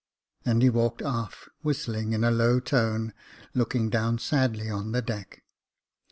And he walked aft, whistling in a low tone, looking down sadly on the deck.